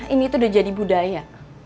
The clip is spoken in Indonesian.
ini itu sudah jadi budaya